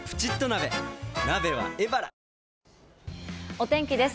お天気です。